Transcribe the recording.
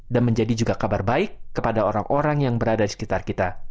dan menjadi juga kabar baik kepada orang orang yang berada di sekitar kita